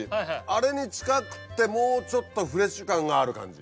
あれに近くてもうちょっとフレッシュ感がある感じ。